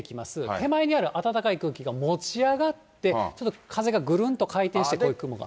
手前にある暖かい空気が持ち上がって、ちょっと風がぐるんと回転して、こういう雲が。